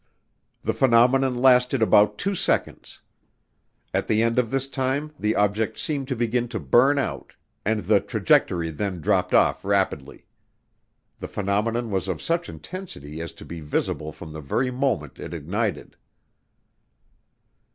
The phenomenon lasted about 2 seconds. At the end of this time the object seemed to begin to burn out and the trajectory then dropped off rapidly. The phenomenon was of such intensity as to be visible from the very moment it ignited.